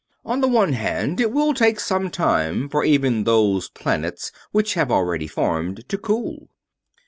"On the one hand, it will take some time for even those planets which have already formed to cool.